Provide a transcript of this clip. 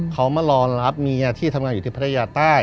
เขามาร้อนรับเมียที่ทำงานอยู่ที่ภัยตะยาต้าย